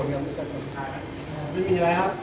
มีมือหนูใน